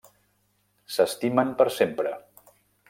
S'estimen per sempre.